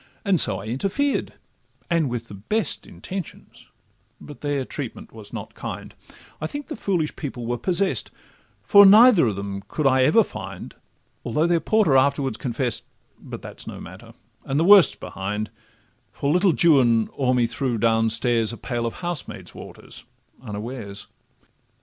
And so I interfered, and with the best Intentions, but their treatment was not kind; I think the foolish people were possess'd, For neither of them could I ever find, Although their porter afterwards confess'd— But that 's no matter, and the worst 's behind, For little Juan o'er me threw, down stairs, A pail of housemaid's water unawares.